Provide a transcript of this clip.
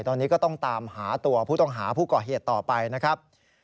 ตอนนี้ก็ต้องตามหาตัวผู้ต้องหาผู้ก่อเหตุต่อไปนะครับ